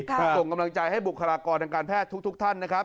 ส่งกำลังใจให้บุคลากรทางการแพทย์ทุกท่านนะครับ